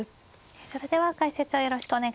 それでは解説をよろしくお願いいたします。